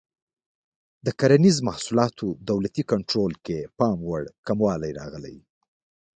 د کرنیزو محصولاتو دولتي کنټرول کې پاموړ کموالی راغی.